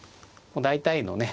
大体のね